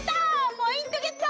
ポイントゲット！